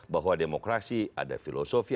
bahwa demokrasi ada filosofi